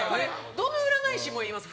どの占い師も言います。